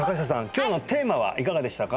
今日のテーマはいかがでしたか？